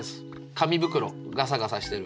紙袋ガサガサしてる。